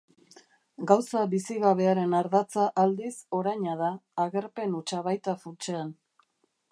Gauza bizigabearen ardatza, aldiz, oraina da, agerpen hutsa baita funtsean.